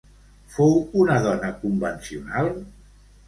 Fou una dona convencional?